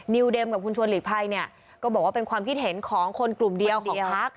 เดมกับคุณชวนหลีกภัยเนี่ยก็บอกว่าเป็นความคิดเห็นของคนกลุ่มเดียวของพัก